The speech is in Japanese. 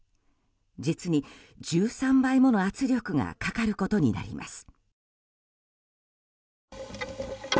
実に１３倍もの圧力がかかることになります。